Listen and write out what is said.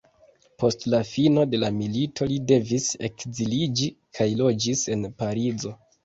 Post la fino de la milito li devis ekziliĝi kaj loĝis en Parizo.